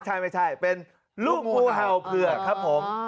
ใช่ไม่ใช่เป็นลูกงูเห่าเผือกครับผม